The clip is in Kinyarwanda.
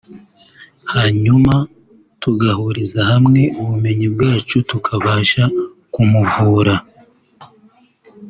hanyuma tugahuriza hamwe ubumenyi bwacu tukabasha kumuvura